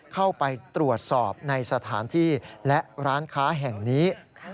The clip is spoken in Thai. เข้าไปตรวจสอบในสถานที่และร้านค้าแห่งนี้